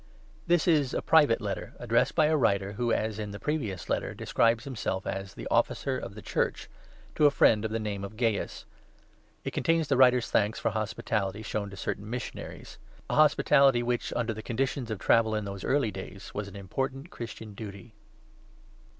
] THIS is a private Letter, addressed by a writer, who, as in the previous Letter, describes himself as ' the Officer of the Church,' to a friend of the name of Gaius. It contains the writer's thanks for hospitality shown to certain missionaries — a hospitality which, under the conditions of travel in those early days, was an important Christian duty.